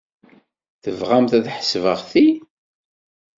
Tebɣamt ad ḥesbeɣ ti?